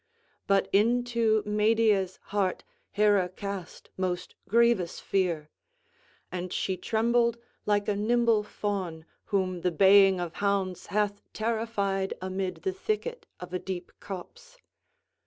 But into Medea's heart Hera cast most grievous fear; and she trembled like a nimble fawn whom the baying of hounds hath terrified amid the thicket of a deep copse.